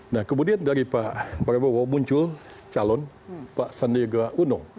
nah kemudian dari pak prabowo muncul calon pak sandiaga uno